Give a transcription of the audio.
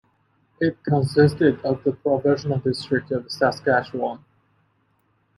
It consisted of the Provisional District of Saskatchewan.